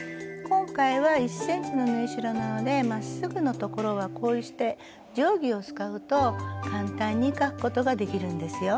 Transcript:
今回は１ｃｍの縫い代なのでまっすぐの所はこうして定規を使うと簡単に書くことができるんですよ。